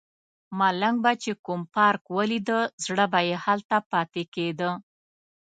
ملنګ به چې کوم پارک ولیده زړه به یې هلته پاتې کیده.